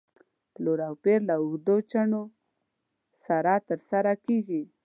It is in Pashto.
پلور او پېر له اوږدو چنو سره تر سره کېږي.